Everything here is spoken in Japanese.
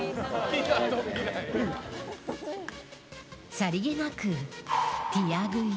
さりげなくティア喰い。